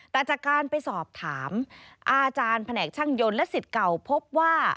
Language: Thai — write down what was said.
แต่จากการไปสอบถามอาจารย์แผนกช่างยนต์และสิทธิ์เก่าพบว่า